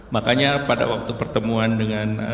makanya pada waktu pertemuan dengan